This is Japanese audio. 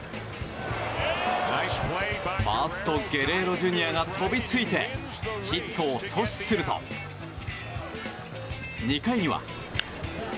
ファーストゲレーロＪｒ．が飛びついてヒットを阻止すると２回には。